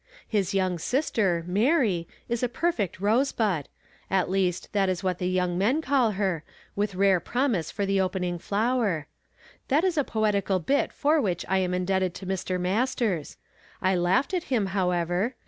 1 1 is young sister, Mary, is a perfect rose bud ; at least, that is what the young men call her, with rare promise for the opening flower. That is a poetical bit for which I am indebted to Mr. Masters. I laughed at him, however.